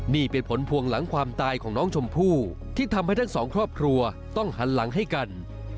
นี่เป็นผลพวงหลังความตายของน้องชมพู่ที่ทำให้ทั้งสองครอบครัวต้องหันหลังให้กัน